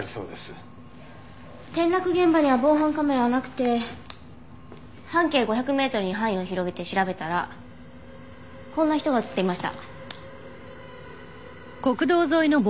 転落現場には防犯カメラはなくて半径５００メートルに範囲を広げて調べたらこんな人が映っていました。